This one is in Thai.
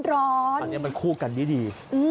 อันนี้มันคู่กันดี